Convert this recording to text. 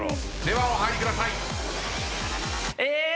ではお入りください。